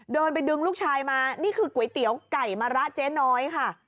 เดินไปดึงลูกชายมานี่คือก๋วยเตี๋ยวไก่มะระเจ๊น้อยค่ะ